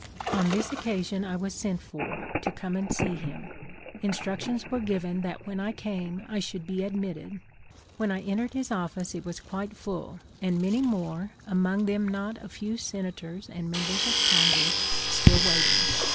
On this occasion I was sent for, to come and see him. Instructions were given that when I came I should be admitted. When I entered his office it was quite full, and many more — among them not a few Senators and members of Congress — still waiting.